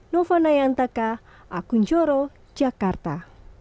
nova nayantaka akunjoro jakarta